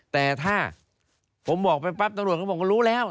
แต่ถ้าผมบอกไปปั๊บตำรวจก็บอกว่ารู้แล้ว